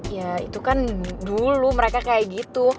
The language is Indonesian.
ya itu kan dulu mereka kayak gitu